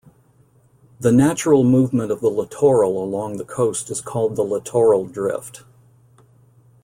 The natural movement of the littoral along the coast is called the littoral drift.